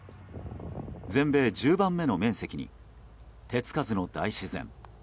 全米１０番目の面積に手付かずの大自然。